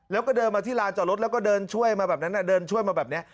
แล้วก็เดินมาที่ลานจอดรถแล้วก็เดินช่วยมาแบบนั้นเดินช่วยมาแบบนี้